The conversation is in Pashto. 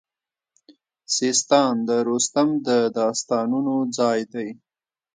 سیستان د رستم د داستانونو ځای دی